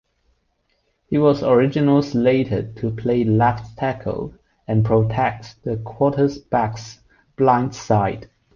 He was originally slated to play left tackle and protect the quarterback's blindside.